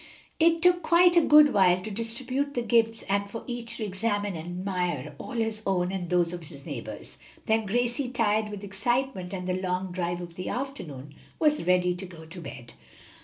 It took quite a good while to distribute the gifts and for each to examine and admire all his own and those of his neighbors; then Gracie, tired with excitement and the long drive of the afternoon, was ready to go to bed.